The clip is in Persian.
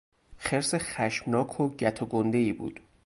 خرس خشمناک و گت و گندهای بود.